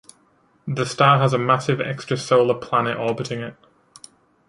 The star has a massive extrasolar planet orbiting it.